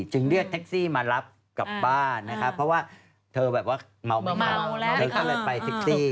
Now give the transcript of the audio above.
จึงเรียกแท็กซี่มารับกลับบ้านนะครับเพราะว่าเธอแบบว่าเมาเธอก็เลยไปเท็กซี่